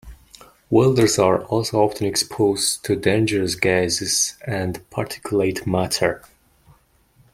Welders are also often exposed to dangerous gases and particulate matter.